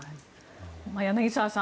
柳澤さん